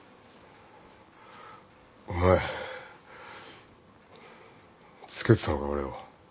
お前つけてたのか俺を。